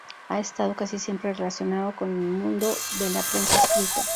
Ha estado casi siempre relacionado con el mundo de la prensa escrita.